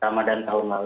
ramadan tahun lalu